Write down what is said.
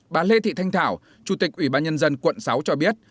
bà lê thị thanh thảo chủ tịch ủy ban nhân dân quận sáu cho biết